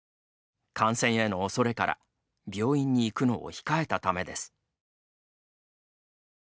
感染へのおそれから病院に行くのを控えたためです。